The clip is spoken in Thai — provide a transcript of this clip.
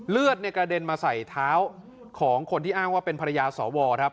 เลือดกระเด็นมาใส่เท้าของคนที่อ้างว่าเป็นภรรยาสวครับ